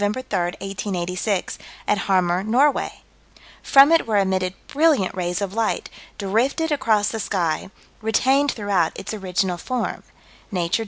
3, 1886, at Hamar, Norway; from it were emitted brilliant rays of light; drifted across the sky; "retained throughout its original form" (Nature, Dec.